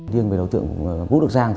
điên về đối tượng vũ đức giang